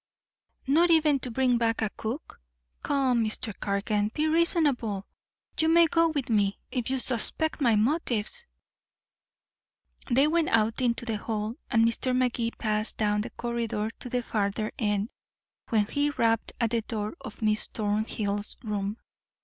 "Not even to bring back a cook. Come, Mr. Cargan, be reasonable. You may go with me, if you suspect my motives." They went out into the hall, and Mr. Magee passed down the corridor to the farther end, where he rapped on the door of Miss Thornhill's room.